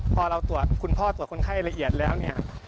พอเราตรวจคุณพ่อตรวจคนไข้ละเอียดแล้วเนี่ย